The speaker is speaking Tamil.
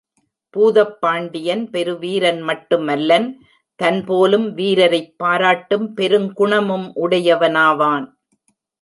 பூதப் பாண்டியன் பெருவீரன் மட்டும் அல்லன் தன் போலும் வீரரைப் பாராட்டும் பெருங்குணமும் உடையவனாவான்.